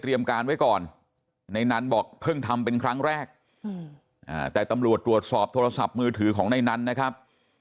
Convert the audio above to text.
การไว้ก่อนในนั้นบอกเพิ่งทำเป็นครั้งแรกแต่ตำรวจตรวจสอบโทรศัพท์มือถือของในนั้นนะครับ